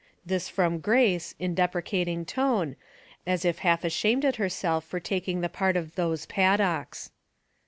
This from Grace, in deprecating tone, as if half ashamed at herself for taking the part of *' those Paddocks."